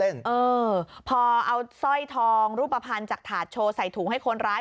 เออพอเอาสร้อยทองรูปภัณฑ์จากถาดโชว์ใส่ถุงให้คนร้าย